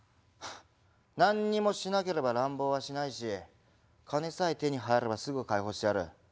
何にもしなければ乱暴はしないし金さえ手に入ればすぐ解放してやる。